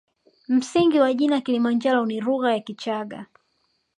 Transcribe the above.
Msingi wa jina la kilimanjaro ni lugha ya kichagga